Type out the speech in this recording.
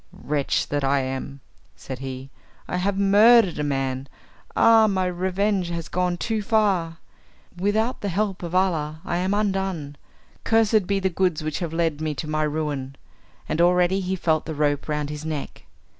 "Wretch that I am," said he, "I have murdered a man. Ah, my revenge has gone too far. Without the help of Allah I am undone! Cursed be the goods which have led me to my ruin." And already he felt the rope round his neck.